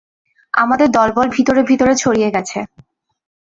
আমাদের দলবল ভিতরে ভিতরে ছড়িয়ে গেছে।